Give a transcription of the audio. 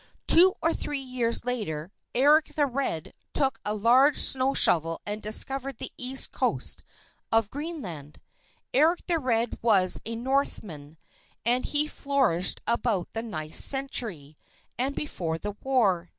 Two or three years later, Erik the Red took a large snow shovel and discovered the east coast of Greenland. Erik the Red was a Northman, and he flourished about the ninth century, and before the war.